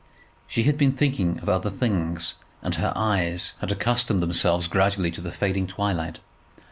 She had been thinking of other things, and her eyes had accustomed themselves gradually to the fading twilight.